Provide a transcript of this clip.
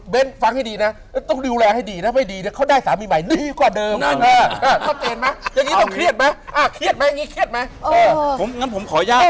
เบนฟังให้ดีนะต้องดูแลให้ดีถ้าไม่ดีเขาได้สามีใหม่ดีกว่าเดิมต้องเกลียดไหมอย่างนี้ต้องเครียดไหม